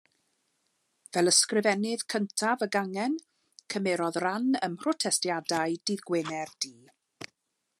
Fel ysgrifennydd cyntaf y gangen, cymerodd ran ym mhrotestiadau Dydd Gwener Du.